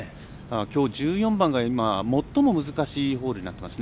きょう、１４番が最も難しいホールになっています。